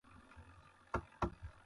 بِݜ بَݜ بون جیْ ہِی چِن لئینیْ۔